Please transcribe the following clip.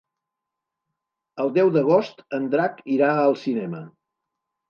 El deu d'agost en Drac irà al cinema.